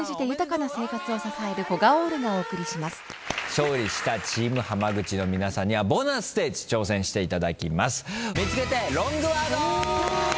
勝利したチーム浜口の皆さんにはボーナスステージ挑戦していただきます。